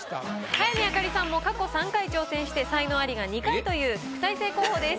早見あかりさんも過去３回挑戦して才能アリが２回という特待生候補です。